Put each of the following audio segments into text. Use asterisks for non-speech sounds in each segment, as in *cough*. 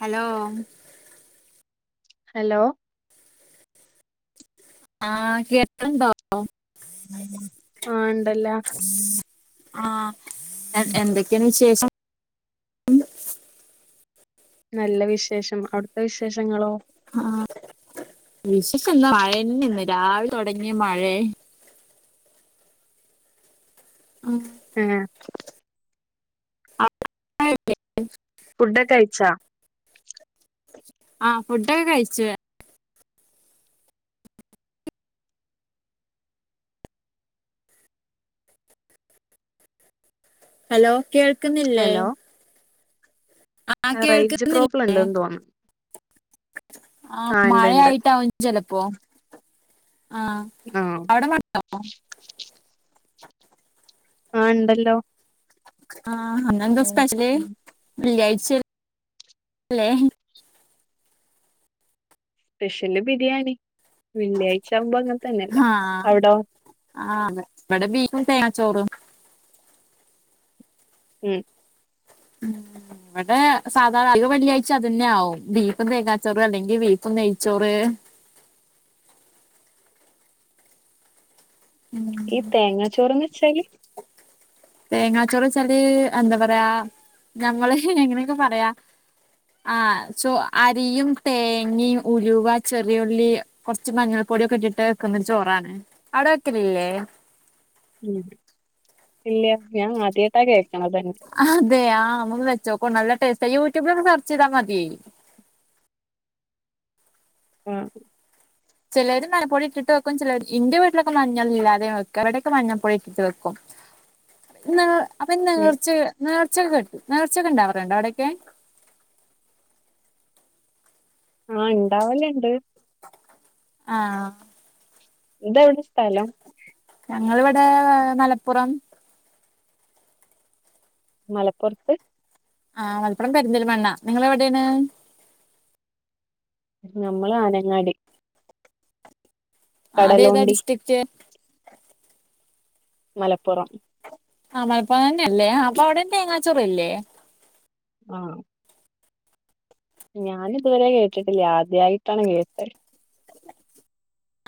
Hello hello ആഹ് കേക്ക്ണ്ടോ ആഹ് ഇണ്ടല്ലോ ആഹ് എന്തൊക്കാണ് വിശേഷം നല്ല വിശേഷം അവിടുത്തെ വിശേഷങ്ങളോ ആഹ് *unintelligible* ഇന്ന് രാവിലെ തൊടങ്ങിയ മയേന്നെ ആഹ് മഴയല്ലേ? ഫുഡക്കെ കയിച്ചാ ആഹ് ഫുഡോക്കെ കഴിച്ച് ഹലോ കേൾക്കുന്നില്ലേ ആ അഹ് റേഞ്ച് പ്രോബ്ലണ്ട്ന്ന് തോന്ന്ണ് ആഹ് ഉണ്ട് മഴ ഉണ്ട് ആയിട്ടാവും ചെലപ്പോ ആഹ് ആഹ് ആഹ് ഇണ്ടല്ലോ ആഹ് ഇന്നെന്തസ്പെഷ്യല് വെള്ളിയാഴ്ച ല്ലേ സ്പെഷ്യല് ബിരിയാണി വെള്ളിയാഴ്ച ആവുമ്പോ അങ്ങനെ തന്നെല്ലേ അവിടോ ആഹ് ഇവിടെ ബീഫും തേങ്ങച്ചോറും ഉം ഉം *unintelligible* ഇവിടെ സാധാ വെള്ളിയാഴ്ച അതു ന്നെആവും ബീഫും തേങ്ങാച്ചോറ് അല്ലെങ്കിൽ ബീഫും നെയച്ചോറ് *unintelligible* ഈ തേങ്ങാ ചോറ്ന്ന് വെച്ചാല് തേങ്ങാച്ചോറ്ന്ന് വെച്ചാല് എന്താ പറയാ ഞങ്ങള് എങ്ങനെയൊക്കെ പറയാ ആ *unintelligible* അരിയും തേങ്ങയും ഉലുവ ചെറിയൊള്ളി കുറച്ച് മഞ്ഞൾ പൊടിയൊക്കെ ഇട്ടിട്ട് വെക്കുന്ന ഒരു ചോറാണ് അവിടെ വെക്കലില്ലേ ഉം ഇല്ല്യ ഞാൻ ആദ്യയിട്ടാ കേൾക്കണതന്നെ അതെയാ നമ്മക്ക് വെച്ചോക്കോ നല്ല ടേസ്റ്റ് യൂട്യൂബില് ഒന്ന് സെർച്ച് ചെയ്താ മതി ആഹ് ചെലര് മഞ്ഞപ്പൊടി ഇട്ടിട്ട് വെക്കും ചെലര് ഇന്റെ വീട്ടിലൊക്കെ മഞ്ഞളില്ലാതെ വെക്കാ ഇവിടൊക്കെ മഞ്ഞൾപ്പൊടി ഇട്ടിട്ട് വെക്കും നേ അപ്പൊ ഉം നേർച്ച നേർച്ചൊക്കെ കെട്ടു നേർച്ചൊക്കെ ഇണ്ടാവറുണ്ടോ അവിടൊക്കെ ആഹ് ഇണ്ടാവല്ണ്ട് ആഹ് ഇതെവിടെ സ്ഥലം ഞങ്ങളിവിടെ മലപ്പുറം മലപ്പുറത്ത് ആഹ് മലപ്പുറത്ത് പെരിന്തൽമണ്ണ നിങ്ങളെവിടെയാണ് ഞമ്മള് ആനങ്ങാടി അതേതാ കടലുണ്ടി ഡിസ്ട്രിക്റ്റ് മലപ്പുറം ആ മലപ്പൊറം തന്നെ അല്ലേ അപ്പൊ അവിടെ തേങ്ങാച്ചോറില്ലേ ആഹ് ഞാനിതുവരെ കേട്ടിട്ടില്ല ആദ്യായിട്ടാണ് കേട്ടെ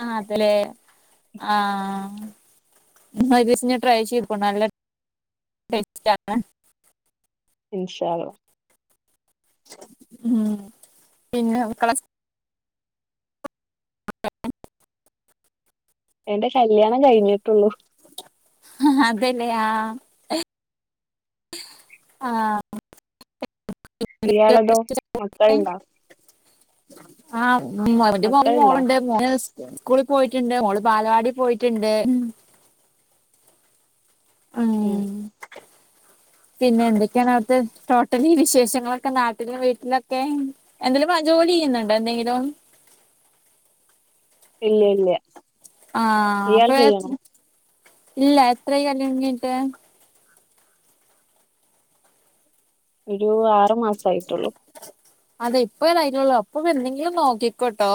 ആഹ് അതലേ ആഹ് ന്ന ഒരീസംഞ് ട്രൈ ചെയ്തോ നല്ല ടെസ്റ്റാണ് ഇൻഷാള്ള ഉം *unintelligible* *inaudible* എന്റെ കല്യാണം കഴിഞ്ഞിട്ടുള്ളൂ ആഹ് അതെല്ലേ ആഹ് ആഹ് ഇയാളതോ മക്കൾണ്ടോ ആഹ് മക്കളുണ്ടാ *unintelligible* സ്കൂളിൽ പോയിറ്റ്ണ്ട് മോള് ബാലവാടി പോയിറ്റ്ണ്ട് ഉം പിന്നെ എന്തൊക്കെയാണ് അവിടുത്തെ ടോട്ടലി വിശേഷങ്ങളൊക്കെ നാട്ടിലും വീട്ടിലൊക്കെ? എന്തേലും വ ജോലി ചെയ്യുന്നുണ്ടോ? എന്തെങ്കിലും ഇല്ല ഇല്ല്യാ. ആഹ് അപ്പയെ ഇല്ല എത്രയി കല്ലിയാണം കഴിഞ്ഞിട്ട്? ഒരു ആറു മാസായിട്ടൊള്ളു. അതെ ഇപ്പോ ലൈനുള്ളു അപ്പൊ എന്തെങ്കിലും നോക്കിക്കോട്ടോ.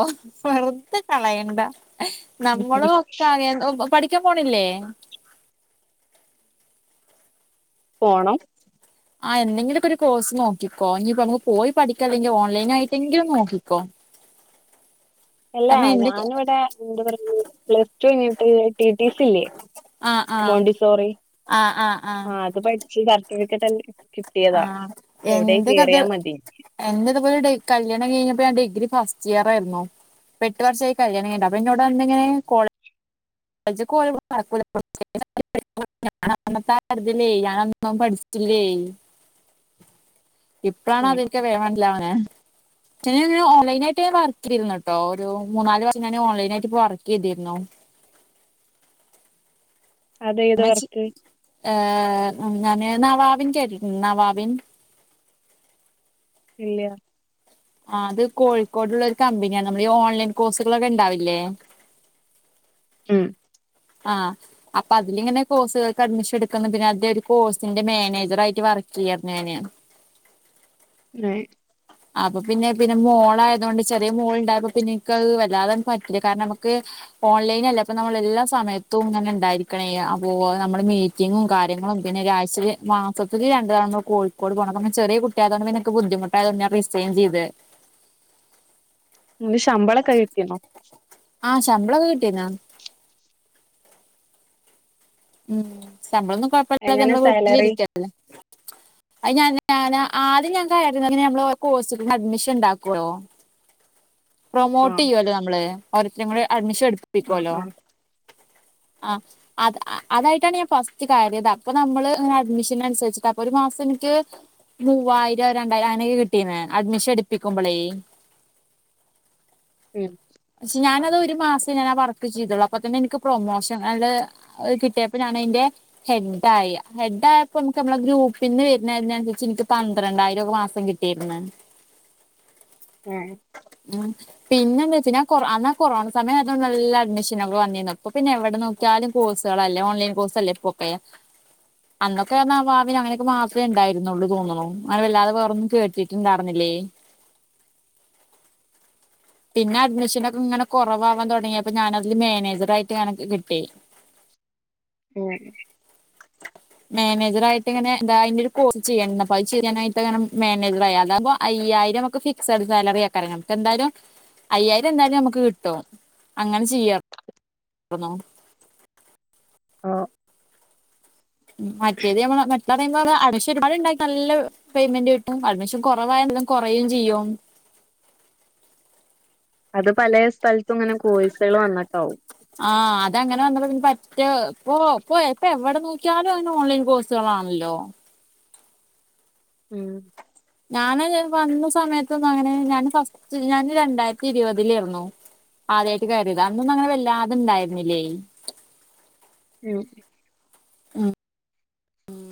വെറുതെ കളയണ്ട നമ്മള് ഒക്കെ അങ്ങ പഠിക്ക്യാൻ പോണില്ലേ? പോണം. ആഹ് എന്തെങ്കിലൊക്കൊരു കോഴ്സ് നോക്കിക്കോ ഇഞ്ഞിയിപ്പോ നമുക്ക് പോയി പഠിക്ക അല്ലെങ്കി ഓൺലൈനായിട്ടെങ്കിലും നോക്കിക്കോ. അല്ല കാരണം എന്റെ ഞാനിവിടെ എന്താ പറഞ്ഞു പ്ലസ് ടു കയിഞ്ഞിട്ട് ടി ടി സി ഇല്ലേ? ആഹ് ആഹ് ആഹ് ആഹ് അത് പഠിച്ച് സർട്ടിഫിക്കറ്റെല്ലാ കിട്ടിയതാ ആഹ് എവിടേ എന്റെ കഥ കേറിയാ മതി. എന്റെ ഇതുപോലെ ഡി കല്ല്യാണം കഴിഞ്ഞപ്പോ ഞാൻ ഡിഗ്രി ഫസ്റ്റ് ഇയറായിരുന്നു. ഇപ്പെട്ടുവർഷായി കല്ല്യാണം കഴിഞ്ഞിട്ട് അപ്പൊ ഇന്നോട് അന്നിങ്ങനെ കോൾ ജ്ജ് കോ നടക്കൂല *unintelligible* *unintelligible* തിലേയ് ഞാൻ ഒന്നും പഠിച്ചിട്ടില്ലേയ്. ഇപ്പളാണ് ഉം അതനിക് വേ മനസ്സിലാവണേ. *unintelligible* ഓൺലൈനായിട്ട് ഞാൻ വർക്ക് ചെയ്തിരുന്നു ട്ടോ ഒരു മൂന്നാല് വർഷം ഞാന് ഓൺലൈനായിട്ട് ഇപ്പോ വർക്ക് ചെയ്തിരുന്നു. അതേത് വർക്ക്? ഏ ഞാന് നവാബിൻ കെട്ടി നവാബിൻ ഇല്ല്യാ. ആ അത് കോഴിക്കോടുള്ള ഒരു കമ്പനിയാണ് നമ്മളീ ഓൺലൈൻ കോസുകള്ളൊക്കെ ഇണ്ടാവില്ലേ? ഉം ആഹ് അപ്പൊ അതിലിങ്ങനെ കോഴ്സുകൾക്ക് അഡ്മിഷൻ എടുക്കുന്നുണ്ട് പിന്നെ അത് ഒരു കോഴ്സിന്റെ മേനേജറായിട്ട് വർക്ക് ചെയ്യാരുന്നു ഞാന് *unintelligible* അപ്പൊ പിന്നെ പിന്നെ മോളയതോണ്ട് ചെറിയ മോളുണ്ടായപ്പോ പിന്നെ ഇൻക്കത് വല്ലാതെ പറ്റില്ല കാരണം അമ്മക്ക് ഓൺലൈനല്ലേ അപ്പൊ നമ്മളെല്ലാ സമയത്തും ഇങ്ങനെ ഇണ്ടായിരിക്കണം എഹ് അപ്പോ നമ്മള് മീ റ്റിങ്ങും കാര്യങ്ങളും പിന്നെ ഒരാഴ്ചയില് മാസത്തില് രണ്ട് തവണ കോയ്ക്കോട് പോണം പ്പ ങ്ങനെ ചെറിയ കു റ്റതോണ്ട് ഇൻക് ബുദ്ധിമുട്ടായതോണ്ട് ഞാൻ റിസൈൻ ചെയ്തേ ന് ശമ്പള കൈട്ടിനോ ആഹ് ശമ്പളൊക്കെ കിട്ടിന്നാ ഉം ശമ്പളൊന്നും കൊഴപ്പമില്ലെ എങ്ങനെ നമ്മടെ സാലറി വീട്ടിലിരിക്കല്ലേ അത് ഞാൻ ഞാനാ ആദ്യം ഞാൻ കയറുന്ന ഞമ്മള് കോഴ്സൊക്കെ അഡ്മിഷൻ ഇണ്ടാക്കുവല്ലോ ആ പ്രൊമോട്ട് ചെയ്യുവല്ലോ നമ്മള് ഓരോരുത്തരും കൂടെ അഡ്മിഷൻ ആ എടുപ്പിക്കുവല്ലോ ആ ആഹ് അത് അതായിട്ടാണ് ഞാൻ ഫസ്റ്റ് കാര്യത് അപ്പൊ നമ്മള് ഇങ്ങ് അഡ്മിഷനനുസരിച്ചിട്ട് അപ്പൊ ഒരു മാസം എനിക്ക് മൂവായിരം രണ്ടായിരം അങ്ങനൊക്കെ കിട്ടീന്ന് അഡ്മിഷൻ എടുപ്പിക്കുമ്പോളേ ഉം പക്ഷെ ഞാനത് ഒരു മാസം ഞാനാ വർക്ക് ചെയ്തുള്ളൂ അപ്പൊ തന്നെ എനിക്ക് പ്രൊമോഷൻ അല് ആഹ് കിട്ടിയപ്പൊ ഞാനതിന്റെ ഹെഡ് ആയി ഹെഡ് ആയപ്പോ നമുക്ക് നമ്മള ഗ്രൂപ്പിന്ന് വരുന്നതിനനുസരിച്ച് എനിക്ക് പന്ത്രണ്ടായിരംക്കൊ മാസം കി പിന്ന ഉം ഉം പിന്നെ എന്നാ വെച്ചീനാ ഞാൻ കൊ അന്നാ കൊറോണ സമയം അയതുകൊണ്ട് നല്ല അഡ്മിഷനുകൾ വന്നിരുന്നു അപ്പ പിന്നെ എവിടെ നോ ക്കിയാലും കോഴ്സുകളല്ലേ ഓൺലൈൻ കോഴ്സ് അല്ലേ ഇപ്പൊക്കെ അന്നൊക്കാന്ന് പറഞ്ഞാ ആ ഭാവില് അങ്ങനെയൊക്കെ മാത്രേ ഉണ്ടായിരുന്നുള്ളൂ തോന്നണു അല്ലാതെ വേറൊന്നും കേട്ടിട്ടുണ്ടായിരുന്നില്ലേ പിന്നെ അഡ്മിഷനൊക്കെ ഇങ്ങനെ കുറവാവാൻ തുടങ്ങിയപ്പോ ഞാനതില് മാനേജറായിട്ട് അങ്ങനെ കിട്ടി ഉം *unintelligible* മാനേജർായിട്ട ഇങ്ങനെ ഇതാ അതിന്റെ ഒരു കോഴ്സ് ചെയ്യണ്ടണ്ട് അപ്പോ അത് ചെയ്യാനായിട്ട് അങ്ങെ മാനേജറായി അതാമ്പോ അയ്യായിരമൊക്കെ ഫിക്സഡ് സാലറി ആക്കറ *unintelligible* എന്തായാലും അയ്യായിരം എന്തായാലും നമുക്ക് കിട്ടും അങ്ങനെ ചെയ്യാം അണോ ഓ മറ്റേത് ഞമ്മള മറ്റ് *unintelligible* നല്ല പേയ്മെന്റ് കിട്ടും അഡ്മിഷൻ കുറവായ എന്തും കുറയും ചെയ്യും അത് പല സ്ഥലത്തും ഇങ്ങനെ കോഴ്‌സകൾ വന്നിട്ടാവും ആഹ് അതങ്ങനെ വന്ന പി പറ്റ ഇപ്പൊ ഇപ്പ എപ്പ എവിടെ നോക്കിയാലും ആന് ഓൺലൈൻ കോഴ് *unintelligible* ഉം ഞാന് വന്ന സമയത്തൊന്നങ്ങനെ ഞാന് ഫസ്റ്റ് ഞാൻ രണ്ടായിരത്തി ഇരുപതിലായിരുന്നു ആദ്യായിട്ട് കയറീതാ അന്നൊന്നും അങ്ങെ വല്ലാതണ്ടായിരുന്നില്ലേ ഉം ഉം ഉം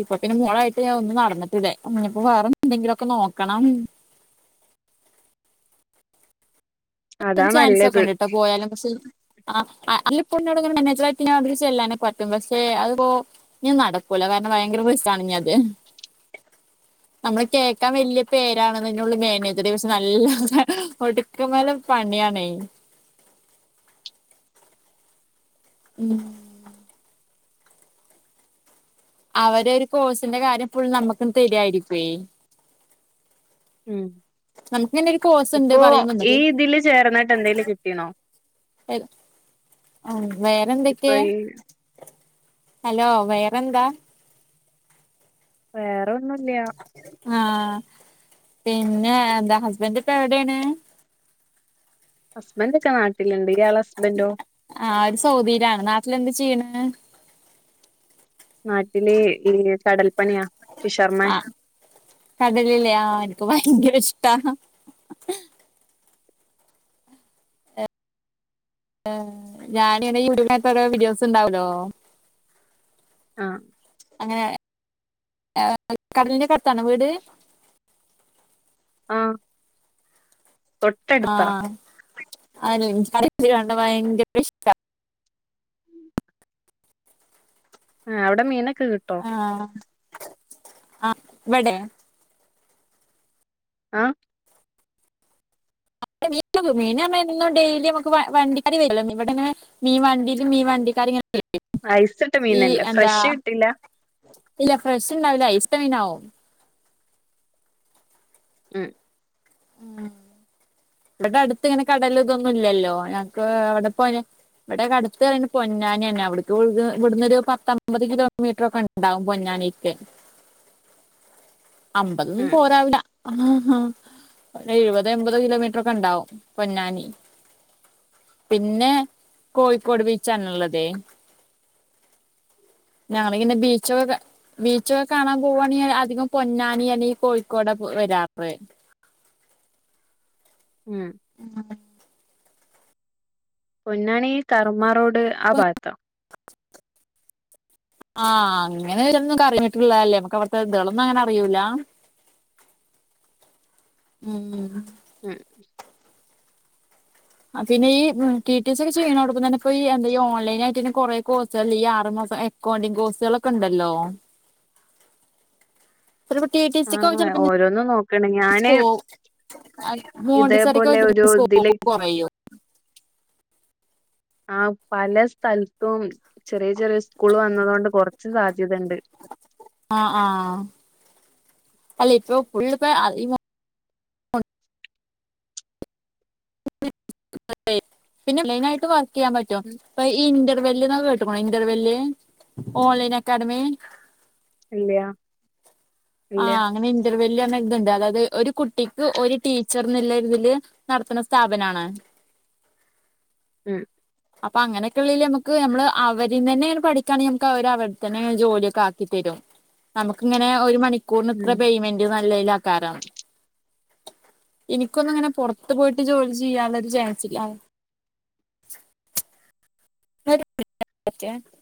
ഇപ്പൊ പിന്നെ മോളായിട്ട് ഞാൻ ഒന്ന നടന്നിട്ടില്ലേ ഇനിപ്പോ വേറെ എന്തെങ്കിലൊക്കെ നോക്കണം അതാ ചാൻസ് നല്ലത് ഒക്കെണ്ട് ട്ടോ പോയാലും പക്ഷെ ആ ആ അല്ല് ഇപ്പോന്നോടിങ്ങനെ മാനേജറായിട്ട് *unintelligible* അവര് ചെല്ലാനെ പറ്റും പക്ഷെ അത്പ്പോ നി നടക്കൂല കാരണം ഭയങ്കര പ്ര *unintelligible* ആണ് ഇനിയത് നമ്മള് കേക്കാൻ വലിയ പേരാണെന്നനുള്ളി മേനജർ പക്ഷെ നല്ല ഒടുക്കമല പണ്ണിയാണേ ഉം അവരെ ഒരു കോഴ്സിന്റെ കാര്യം പുൾ നമുക്കും തരിായിരിക്കേ ഉം നമുക്കിങ്ങനെ ഒരു കോഴ്സ് ഉണ്ട് ഇപ്പോൊ പറയും ഈ വന്നത് ഇതില് ചേർന്നിട്ട് എന്തേലും കിട്ടീണോ ഉം ഇപ്പൊ വേറെന്തൊക്കെ ഈ ഹലോ വേറെന്താ വേറെ ഒന്നുല്ല്യാ ആഹ പിന്നെ എന്താ ഹസ്ബൻറ് ഇപ്പോ എവിടെയാണ് ഹസ്ബൻറ് ഒക്കെ നാട്ടിലുണ്ട് ഇയാള ഹസ്ബൻഡോ *unintelligible* സൗദിയിലാണ് നാട്ടിൽ എന്ത് ചെയ്യണ് നാട്ടില് *unintelligible* കടൽപ്പണിയാ ഷിഷർമമാൻ കടലിലെ ആ എനക്ക് ഭയങ്കര ഇഷ്ട. ഉം ഞാനിനയി *unintelligible* ഓരോ വീഡിയോസ് ഉണ്ടാവുല്ലോ. ആഹ് അങ്ങനെ കടലിന്റെഒക്കെ അടുത്താണോ വീട്. ആഹ് തൊട്ടടുത്താ ആഹ *unintelligible* കണ്ട ഭയങ്കര ഇഷ്ട അവ്ടെ മീനൊക്കെ കിട്ടും. ആഹ് ആഹ് വിടെ. ആഹ. *unintelligible* മീൻ നമ്മഎന്നും ഡെയിലി നമുക്ക് വ വണ്ടിക്കാര് വരും ഇവിടെങ്ങനെ. മീൻ വണ്ടിൽമീൻ വണ്ടിക്കാരിങ്ങനെ. ഐസിട്ട മീനല്ലേ ഫ്രഷ് കിട്ടില്ല.. ഇല്ല ഫ്രഷ് ണ്ടാവൂല ഐസ്ട്ട മീൻ ആവും. ഉം... ഉം. ഇവിടെ അടുത്ത് ഇങ്ങനെ കടൽ ഇതൊന്നും ഇല്ലല്ലോ ഞങ്ങക്ക് അവിടെ പോയ. ഇവിടെ ഒക്കെ അടുത്ത് *unintelligible* പൊന്നാനിന്നെഅവിടുക്ക് ഇവിടുന്നൊരു പത്തമ്പത് കിലോമീറ്ററൊക്കെ ഉണ്ട്. ഉണ്ടാവും പൊന്നാനിക്ക്. അമ്പതൊന്നും ഉം പോരാവില്ല ആഹാ എഴുപത് എമ്പത് കിലോമീ റൊക്കെ ഉണ്ടാവും പൊന്നാനി. പിന്നെ കോഴിക്കോട് ബീച്ചാനുള്ളതേ ഞങ്ങളിന്ന് ബീച്ചോകെ ബീച്ചൊകാണാൻ പോവാണെങ്കിൽ അധികം പൊന്നാനി അല്ലെങ്കി കോഴിക്കോടാ വെരാറ് ഉം *unintelligible* പൊന്നാനീ കർമ റോഡ് ആ ഭാഗത്താ *inaudible* ആഹ് അങ്ങനെരോന്നു അറിനിട്ടിലല്ലേ, നമ്മക്ക് അവിട്ത്തെ ഇതുകളൊന്നും അങ്ങനെ അറിയൂല ഉം ഉം ഉം ഉം പിന്നെ ഈ ടി ടി സി ഒക്കെ ചെയ്യ്ണോട് ത്ത്ന്നന്നെ ഇപ്പോ ഈ എന്ത ഓൺലൈൻ ആയിട്ടന്നെകൊറേ, കോഴ്സ്സാലേ ഈ ആറു മാസ എക്കൗണ്ടിങ് കോഴ്സാളൊക്കെ ണ്ടല്ലോ. *unintelligible* ടി ടി സി ക്കൊക്കെ ചെൽപങ്കി ഓരോന്ന് നോക്കാണങ്കി സ്കോ, അ ഇതേപോലെ ഒരു ഇതില് മോണ്ടിസോറിക്കൊക്കെസ്കോപ്പ്കൊറയും ആ പല സ്ഥൽത്തും ചെറിയ ചെറിയ സ്കൂള് വന്നതോണ്ട് കൊർച്ച് സാധ്യതണ്ട്. ആഹ് ആഹ് അല്ല ഇപ്പ ഫുൾ. *unintelligible* പിന്നെ മെയിനായിട്ട് വർക്ക് ചെയ്യാൻ പറ്റും പ്പൊ ഈ ഇന്റർവെല്ല് ന്നൊക്കെ കേ ട്ട്ക്ക്ണോ? ഇന്റർ വെല്ല് ഓൺലൈൻ അക്കാഡമി ഇല്ല്യാ ആഹ് അങ്ങനെ ഇന്റർവെല്ല് പർഞ്ഞ ഒരു ഇതുണ്ട്. അതായത് ഒരു കുട്ടിക്ക് ഒരു ടീച്ചർന്നുള്ള ഒരുതില് നടത്ത്ണ സ്ഥാപനാണ് ഉം ഉ.. അപ്പൊ അങ്ങനെയൊക്കെള്ളീല് നമുക്ക് നമ്മള് അവരിന്ന്ന്നെ പഠിക്കാണെങ്കി നമുക്ക് ഓര് അവിട്തന്നെ ജോലി ഒക്കെ ആക്കി തരും. നമുക്ക് ഇങ്ങനെ ഒരു മണിക്കൂർന് ഇത്ര ഉം പേയ്മെന്റ്ന്നല്ലിലാക്കാരം. എനിക്കൊന്നും ഇങ്ങനെ പുറത്ത് പോയിട്ട് ജോലി ചെയ്യാനുള്ള ഒരു ചാൻസ് ഇല്ല ആ *inaudible*